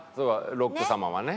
ロック様はね。